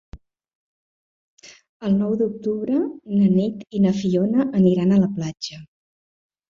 El nou d'octubre na Nit i na Fiona aniran a la platja.